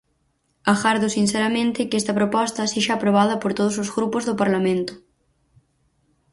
Agardo sinceramente que esta proposta sexa aprobada por todos os grupos do Parlamento.